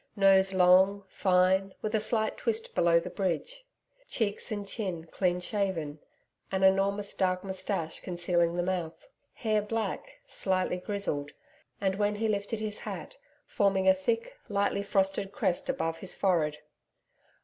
Nose long, fine, with a slight twist below the bridge; cheeks and chin clean shaven, an enormous dark moustache concealing the mouth. Hair black, slightly grizzled, and when he lifted his hat forming a thick lightly frosted crest above his forehead.